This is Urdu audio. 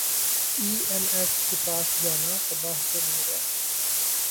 ئی ایم ایف کے پاس جانا تباہ کن ہوگا